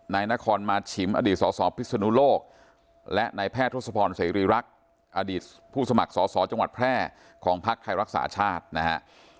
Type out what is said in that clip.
นายนครมาชิมอดีตสสพิศนุโลกและนายแพทย์ทศพรเสรีรักษ์อดีตผู้สมัครสอสอจังหวัดแพร่ของพักไทยรักษาชาตินะฮะ